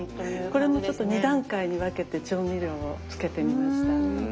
これもちょっと２段階に分けて調味料をつけてみました。